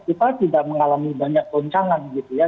kita tidak mengalami banyak goncangan gitu ya